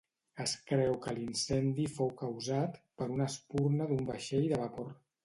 Es creu que l'incendi fou causat per una espurna d'un vaixell de vapor.